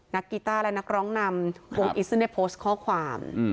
นักกีต้าและนักร้องนำวงอีซ่นน่ะโพสต์ข้อความ